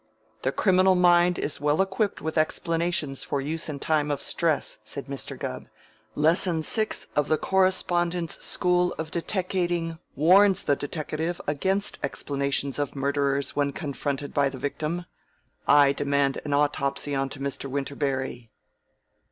"The criminal mind is well equipped with explanations for use in time of stress," said Mr. Gubb. "Lesson Six of the Correspondence School of Deteckating warns the deteckative against explanations of murderers when confronted by the victim. I demand an autopsy onto Mr. Winterberry."